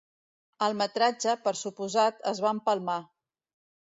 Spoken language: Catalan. El metratge, per suposat, es va empalmar.